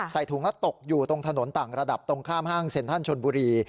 ใส่ถุงแล้วตกอยู่ตรงถนนต่างระดับตรงข้ามห้างเซ็นทันชนบุรี